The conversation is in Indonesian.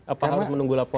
apa harus menunggu laporan